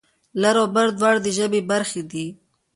لر و بر دواړه د ژبې برخه دي.